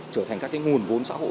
trở thành các cái nguồn vốn xã hội